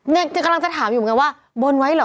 กำลังจะถามอยู่เหมือนกันว่าบนไว้เหรอ